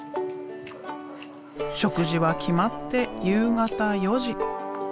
食事は決まって夕方４時。